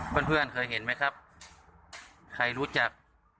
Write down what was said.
เพื่อนเพื่อนเคยเห็นไหมครับใครรู้จัก